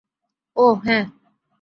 ওহ, হ্যা।